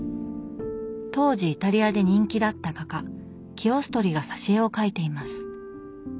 当時イタリアで人気だった画家キオストリが挿絵を描いています。